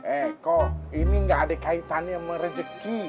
eh kok ini gak ada kaitannya merezeki